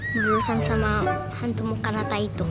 burusan sama hantu mekanata itu